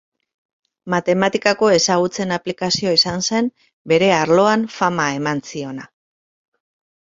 Matematikako ezagutzen aplikazioa izan zen bere arloan fama eman ziona.